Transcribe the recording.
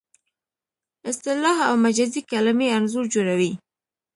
اصطلاح او مجازي کلمې انځور جوړوي